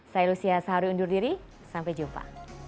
saya lucia sahari undur diri sampai jumpa